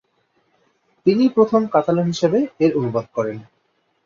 তিনিই প্রথম কাতালান হিসেবে এর অনুবাদ করেন।